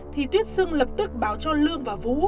thì tuyết xưng lập tức báo cho lương và vũ